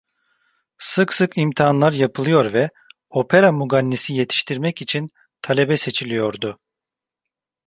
Sık sık imtihanlar yapılıyor ve opera mugannisi yetiştirmek için talebe seçiliyordu.